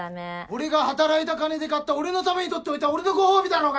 俺が働いた金で買った俺のために取っておいた俺のご褒美だろうがよ！